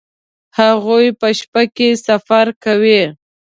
هغوی په شپه کې سفر کوي